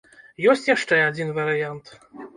Ёсць яшчэ адзін варыянт.